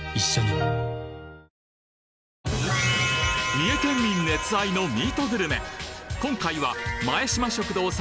三重県民熱愛のミートグルメ